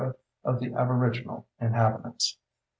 of the aboriginal inhabitants.